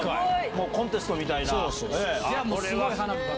もうコンテストみたいな？